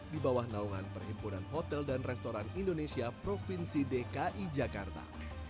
di bawah naungan perhimpunan hotel dan restoran indonesia provinsi dki jakarta